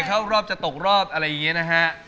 เข้ารอบจะตกรอบอะไรอย่างนี้นะฮะ